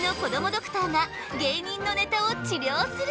ドクターが芸人のネタを治りょうする！